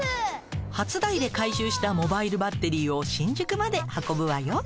初台で回収したモバイルバッテリーを新宿まで運ぶわよ。